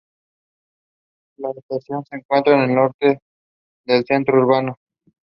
He is author of the book "Modern Traditional Elites in the Politics of Lagos".